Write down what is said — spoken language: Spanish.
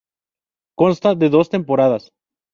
Consta de dos temporadas.